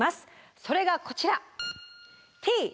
それがこちら！